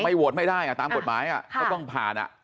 โหวตไม่ได้ตามกฎหมายก็ต้องผ่าน